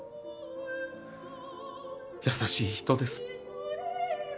優しい人です。